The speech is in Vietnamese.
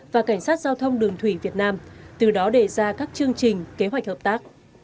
và cảnh sát giao thông đường thủy việt nam từ đó đề ra các chương trình kế hoạch hợp tác